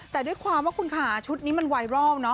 แต่ด้วยความว่าคุณค่ะชุดนี้มันไวรัลเนอ